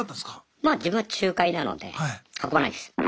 まあ自分は仲介なので運ばないです。